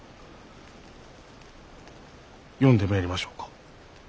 呼んでめえりましょうか？